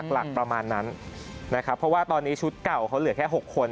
หลักประมาณนั้นนะครับเพราะว่าตอนนี้ชุดเก่าเขาเหลือแค่๖คน